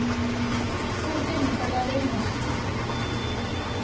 先生に疑われるのは。